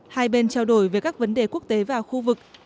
hai bên trao đổi về các vấn đề quốc tế và khu vực